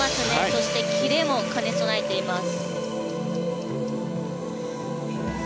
そしてキレも兼ね備えています。